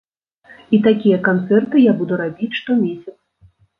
І такія канцэрты я буду рабіць штомесяц.